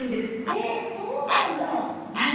えっそうなんだ。